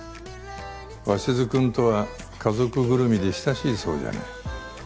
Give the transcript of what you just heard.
鷲津君とは家族ぐるみで親しいそうじゃない。